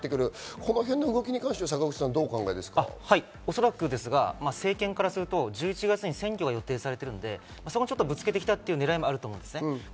このへんの動きに関して坂口さんどうでおそらくですが、政権からすると１１月に選挙が予定されているので、ぶつけてきたと思います。